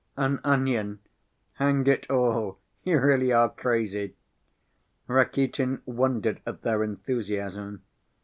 "An onion? Hang it all, you really are crazy." Rakitin wondered at their enthusiasm.